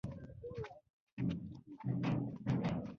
څه فکر کوئ نن به ابراهیم ځدراڼ پنځوسیزه ووهي؟